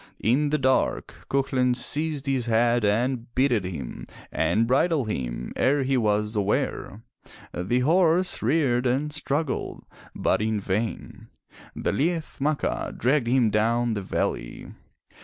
In the dark, Cuchulain seized his head and bitted him and bridled him ere he was aware. The horse reared and struggled, but in vain. The Liath Macha dragged him down the valley.